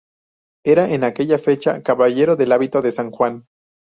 Era en aquella fecha caballero del hábito de San Juan.